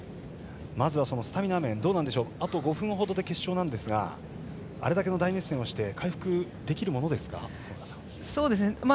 まずはスタミナ面ですがあと５分ほどで決勝ですがあれだけの大熱戦をして回復できるものですか？